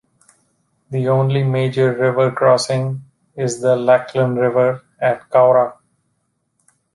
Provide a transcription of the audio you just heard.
The only major river crossing is the Lachlan River at Cowra.